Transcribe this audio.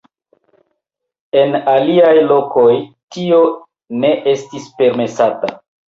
En aliaj lokoj tio ne estis permesata.